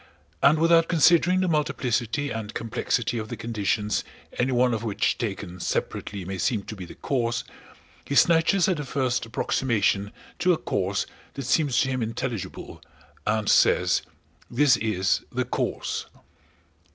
And without considering the multiplicity and complexity of the conditions any one of which taken separately may seem to be the cause, he snatches at the first approximation to a cause that seems to him intelligible and says: "This is the cause!"